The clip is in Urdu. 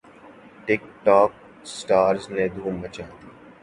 ٹک ٹوک سٹارز نے دھوم مچا دی